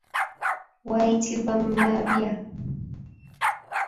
Wayitibwa mabya.